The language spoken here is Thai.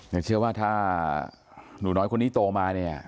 แต่เชื่อว่าถ้าหนูน้อยคนนี้โตมาเนี่ย